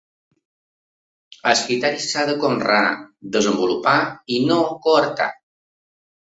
El criteri s’ha de conrear, desenvolupar i no coartar.